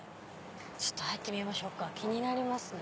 ちょっと入ってみましょうか気になりますね。